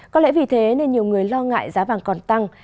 có lẽ vì thế nên nhiều người lo ngại giá vàng còn tăng